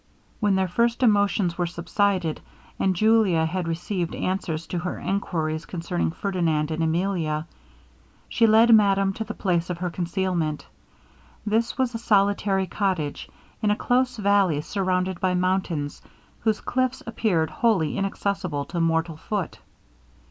When their first emotions were subsided, and Julia had received answers to her enquiries concerning Ferdinand and Emilia, she led madame to the place of her concealment. This was a solitary cottage, in a close valley surrounded by mountains, whose cliffs appeared wholly inaccessible to mortal foot.